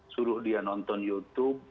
suruh dia nonton youtube